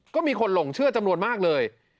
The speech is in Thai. ก็มีคนหลงเชื่อจำนวนมากเลย